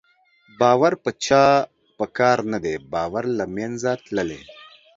باور په چا په کار نه دی، باور له منځه تللی